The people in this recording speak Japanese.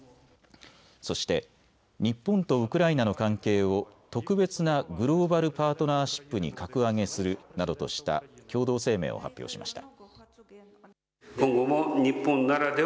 そして日本とウクライナの関係を特別なグローバル・パートナーシップに格上げするなどとした共同声明を発表しました。